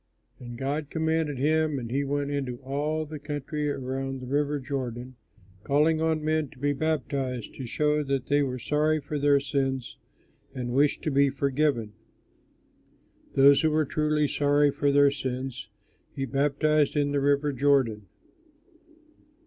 And God commanded him and he went into all the country around the river Jordan calling upon men to be baptized to show that they were sorry for their sins and wished to be forgiven. Those who were truly sorry for their sins, he baptized in the river Jordan.